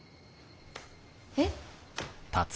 えっ？